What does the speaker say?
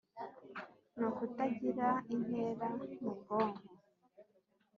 Ni ukutagira intera mu bwonko